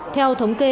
theo thống kê